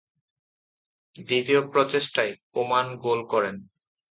দ্বিতীয় প্রচেষ্টায় কোম্যান গোল করেন।